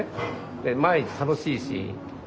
で毎日楽しいし。